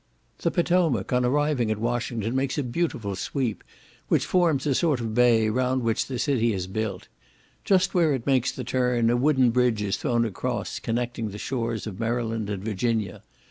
The Potomac, on arriving at Washington, makes a beautiful sweep, which forms a sort of bay, round which the city is built. Just where it makes the turn, a wooden bridge is thrown across, connecting the shores of Maryland and Virginia.